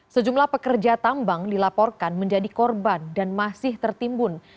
sejumlah pekerja tambang dilaporkan menjadi korban dan masih tertimbun